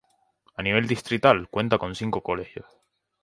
A nivel distrital cuenta con cinco colegios.